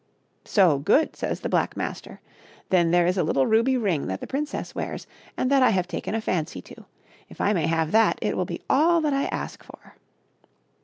"So; good!" says the Black Master, "then there is a little ruby ring that the princess wears and that I have taken a fancy to ; if I may have that it will be all that I ask for."